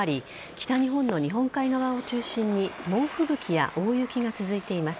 北日本の日本海側を中心に猛吹雪や大雪が続いています。